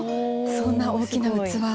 そんな大きな器。